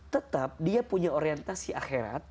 tetap dia punya orientasi akhirat